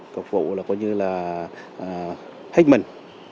phục vụ là coi như là hết mình